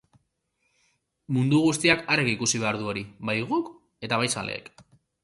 Mundu guztiak argi ikusi behar du hori, bai guk eta bai zaleek.